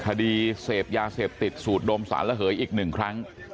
คดีเสพยาเสพติดสูดดมสารระเหยอีก๑ครั้ง